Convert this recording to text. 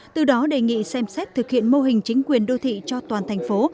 từ đó đề nghị xem xét thực hiện mô hình chính quyền đô thị cho toàn thành phố